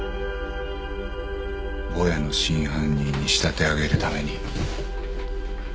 ぼやの真犯人に仕立て上げるために。